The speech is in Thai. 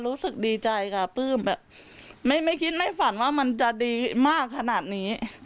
รู้สึกดีใจค่ะปลื้มแบบไม่คิดไม่ฝันว่ามันจะดีมากขนาดนี้